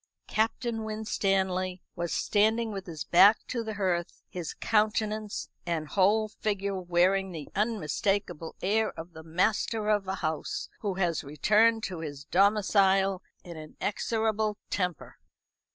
Captain Winstanley was standing with his back to the hearth, his countenance and whole figure wearing the unmistakable air of the master of a house who has returned to his domicile in an execrable temper.